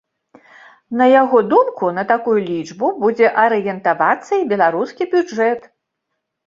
На яго думку, на такую лічбу будзе арыентавацца і беларускі бюджэт.